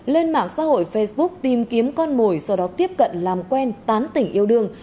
lên mạng xã hội facebook tìm kiếm con mồi sau đó tiếp cận làm quen tán tỉnh yêu đương